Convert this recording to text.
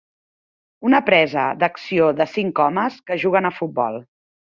Una presa d'acció de cinc homes que juguen a futbol.